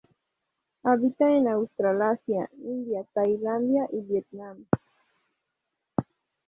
Habita en Australasia, India, Tailandia y Vietnam.